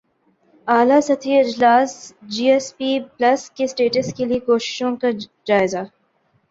اعلی سطحی اجلاس جی ایس پی پلس کے اسٹیٹس کیلئے کوششوں کا جائزہ